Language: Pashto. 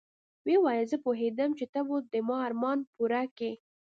ويې ويل زه پوهېدم چې ته به د ما ارمان پوره کيې.